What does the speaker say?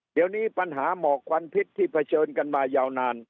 เดี๋ยวนี้ปัญหาหมอกควันพิษที่เผชิญกันมายาวนาน